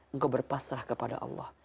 engkau berpasrah kepada allah